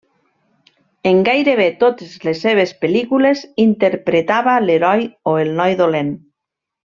En gairebé totes les seves pel·lícules interpretava l'heroi o el noi dolent.